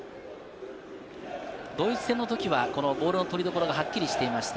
ドイツ戦はボールの取りどころが、はっきりしていました。